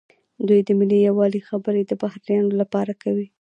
دوی د ملي یووالي خبرې د بهرنیانو لپاره کوي.